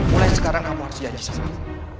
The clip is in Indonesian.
mulai sekarang kamu harus janji sama aku